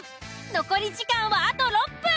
残り時間はあと６分。